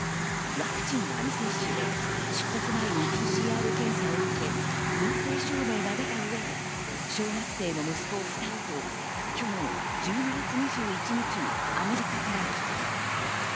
ワクチンは未接種で、出国前にＰＣＲ検査を受け陰性証明が出た上で小学生の息子２人と去年１２月２１日にアメリカから帰国。